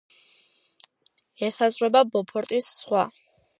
ესაზღვრება ბოფორტის ზღვა.